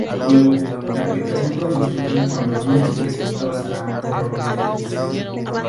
Luego, la aplicación pronostica cuándo una expresión causará un error de ejecución.